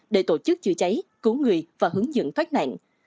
để tổ chức chữa cháy cứu người và hướng dẫn thoát nạn